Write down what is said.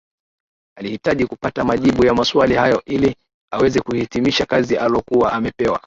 Alihitaji kupata majibu ya maswali hayo ili aweze kuhitimisha kazi alokuwa amepewa